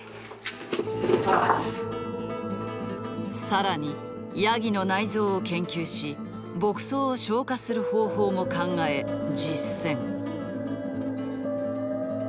更にヤギの内臓を研究し牧草を消化する方法も考え実践。